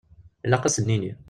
Ilaq ad sen-nini.